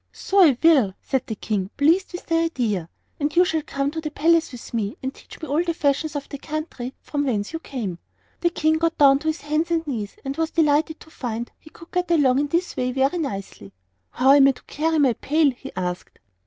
"So I will," said the King, being pleased with the idea; "and you shall come to the palace with me and teach me all the fashions of the country from whence you came." The King got down on his hands and knees, and was delighted to find he could get along in this way very nicely. "How am I to carry my pail?" he asked.